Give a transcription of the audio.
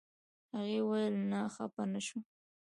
هغې ویل نه خپه نه شوم.